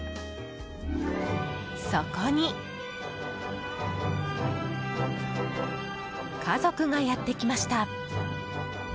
そこに家族がやってきました。